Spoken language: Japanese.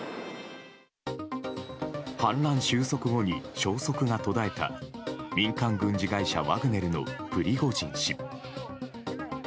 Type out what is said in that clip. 反乱収束後に消息が途絶えた民間軍事会社ワグネルのプリゴジン氏。